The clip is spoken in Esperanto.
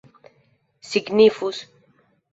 signifus